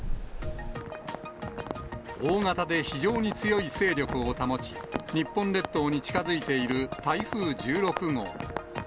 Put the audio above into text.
大型で非常に強い勢力を保ち、日本列島に近づいている台風１６号。